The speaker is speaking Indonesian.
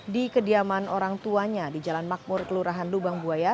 di kediaman orang tuanya di jalan makmur kelurahan lubang buaya